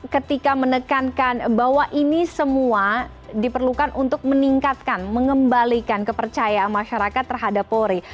ketika menekankan bahwa ini semua diperlukan untuk meningkatkan mengembalikan kepercayaan masyarakat terhadap polri